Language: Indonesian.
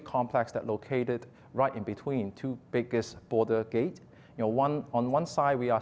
kompleks besar yang terdekat di antara dua panggung perjalanan yang terbesar